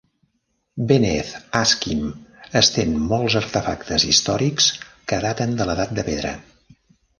Beneath Askim estén molts artefactes històrics que daten de l'edat de pedra.